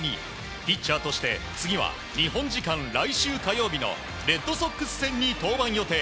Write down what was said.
ピッチャーとして次は日本時間、来週火曜日のレッドソックス戦に登板予定。